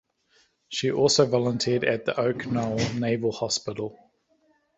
She also volunteered at the Oak Knoll Naval Hospital.